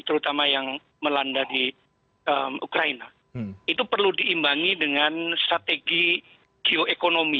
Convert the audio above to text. terutama yang melanda di ukraina itu perlu diimbangi dengan strategi geoekonomi